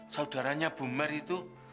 saudaranya bu mary itu